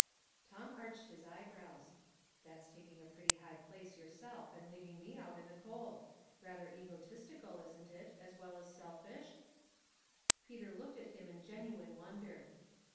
Tom arched his eyebrows. "That's taking a pretty high place yourself 88 Household Puzzlei. and leaving me out in the cold. Rather egotist ical, isn't it, as well as selfish ?" Peter looked at him in genuine wonder.